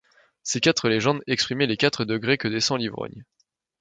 Ces quatre légendes exprimaient les quatre degrés que descend l'ivrogne.